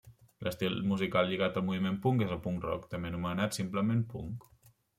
L'estil musical lligat al moviment punk és el punk rock, també anomenat simplement punk.